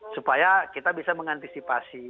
supaya kita bisa mengantisipasi